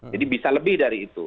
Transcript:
jadi bisa lebih dari itu